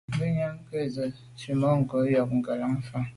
Ngùnyàm nke nse’ la’ tswemanko’ njon ngelan fa.